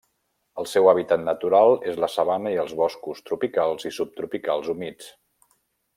El seu hàbitat natural és la sabana i els boscos tropicals i subtropicals humits.